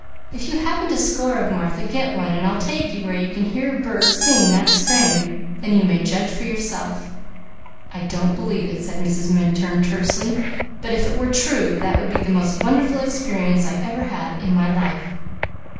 If you haven't a score of Martha, get one and I'll take you where you can hear a bird sing that strain, then you may judge for yourself." "I don't believe it!" said Mrs. Minturn tersely, "but if it were true, that would be the most wonderful experience I ever had in my life."